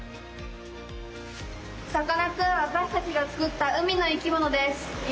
さかなクン私たちが作った海の生き物です。